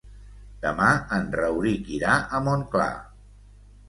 Demà en Rauric irà a Montclar.